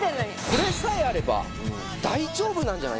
これさえあれば大丈夫なんじゃないか。